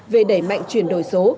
về đẩy mạnh chuyển đổi số